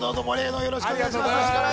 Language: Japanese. ◆よろしくお願いします。